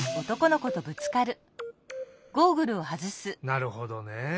なるほどね。